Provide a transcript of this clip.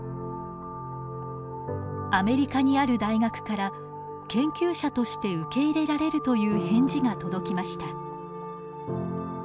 アメリカにある大学から研究者として受け入れられるという返事が届きました。